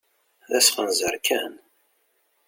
D asxenzer kan!